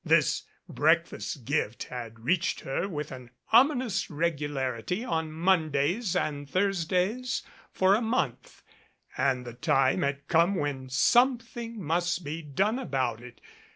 This breakfast gift had reached her with an ominous regularity on Mondays and Thurs days for a month, and the time had come when something must be done about it.